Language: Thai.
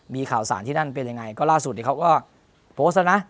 มีข่าวสารที่นั่นเป็นยังไงก็ล่าสุดเขาก็โพสต์แล้วนะ